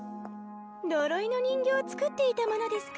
呪いの人形を作っていたものですから。